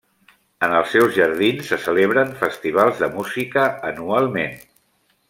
En els seus jardins se celebren festivals de música anualment.